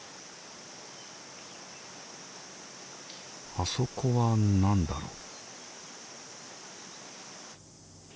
あそこは何だろう？